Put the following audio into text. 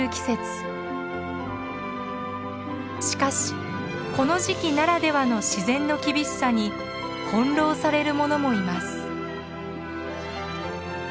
しかしこの時期ならではの自然の厳しさに翻弄されるものもいます。